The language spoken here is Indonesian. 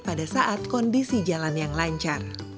pada saat kondisi jalan yang lancar